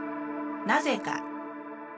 なぜか。